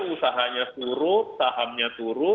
usahanya turun sahamnya turun